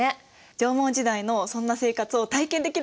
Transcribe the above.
縄文時代のそんな生活を体験できる所があるよ。